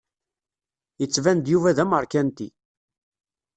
Yettban-d Yuba d amerkanti.